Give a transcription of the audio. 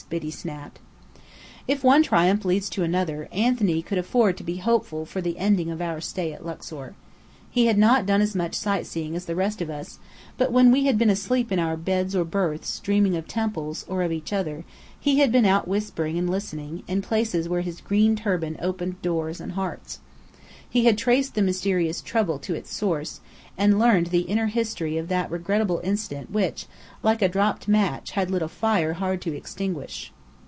Biddy snapped. If one triumph leads to another, Anthony could afford to be hopeful for the ending of our stay at Luxor. He had not done as much sightseeing as the rest of us, but when we had been asleep in our beds or berths, dreaming of temples or of each other he had been out whispering and listening, in places where his green turban opened doors and hearts. He had traced the mysterious "trouble" to its source, and learned the inner history of that regrettable incident which, like a dropped match, had lit a fire hard to extinguish.